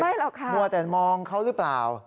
ได้แล้วค่ะมอกแต่มองเขาหรือเปล่า